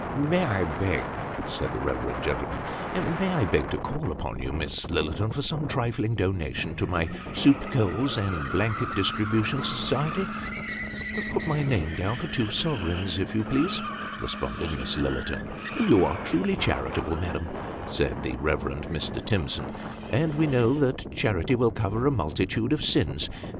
"May I beg," said the reverend gentleman, "may I beg to call upon you, Miss Lillerton, for some trifling donation to my soup, coals, and blanket distribution society ?"" Put my name down, for two sovereigns, if you please," responded Miss Lillerton. " You are truly charitable, madam," said the Eeverend Mr. Timson, " and we know that charity will cover a multitude of sins.